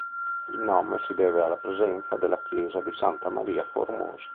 Il nome si deve alla presenza della chiesa di Santa Maria Formosa.